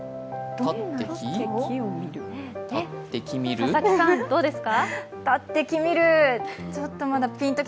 佐々木さん、どうですか？